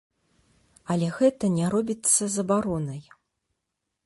Але гэта не робіцца забаронай.